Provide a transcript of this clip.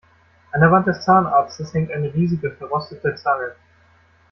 An der Wand des Zahnarztes hängt eine riesige, verrostete Zange.